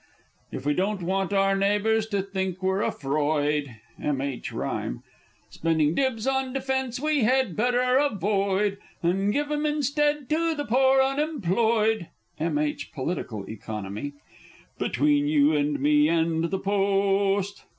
If we don't want our neighbours to think we're afroid, [M. H. rhyme. Spending dibs on defence we had better avoid. And give 'em instead to the poor unemployed. [M. H. political economy. Between you and me and the Post!